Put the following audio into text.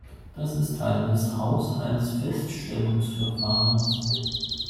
Das ist Teil des Haushaltsfeststellungsverfahrens.